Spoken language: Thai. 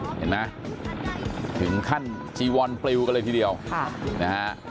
เห็นไหมถึงขั้นจีวอนปลิวกันเลยทีเดียวนะฮะ